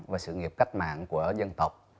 và sự nghiệp cách mạng của dân tộc